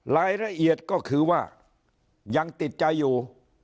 รายละเอียดก็คือว่ายังติดใจอยู่